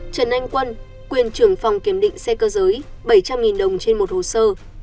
trần anh quân quyền trưởng phòng kiểm định xe cơ giới bảy trăm linh đồng trên một hồ sơ